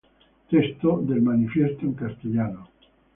Texto del manifiesto en castellano